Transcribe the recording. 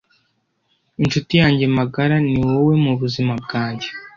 Inshuti yanjye magara niwowe mubuzima bwange